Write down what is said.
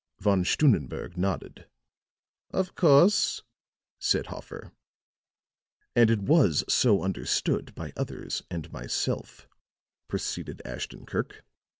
Von Stunnenberg nodded. "Of course," said Hoffer. "And it was so understood by others and myself," proceeded Ashton Kirk.